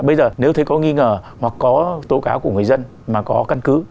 bây giờ nếu thấy có nghi ngờ hoặc có tố cáo của người dân mà có căn cứ